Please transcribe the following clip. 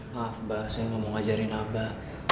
maaf mbah saya nggak mau ngajarin abah